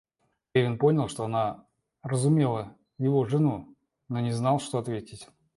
Левин понял, что она разумела его жену, и не знал, что ответить.